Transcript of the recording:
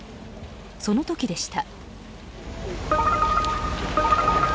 その時でした。